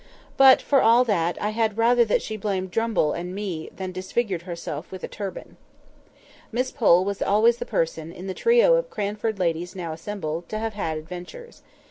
But, for all that, I had rather that she blamed Drumble and me than disfigured herself with a turban. Miss Pole was always the person, in the trio of Cranford ladies now assembled, to have had adventures.